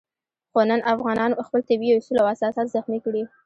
خو نن افغانانو خپل طبیعي اصول او اساسات زخمي کړي.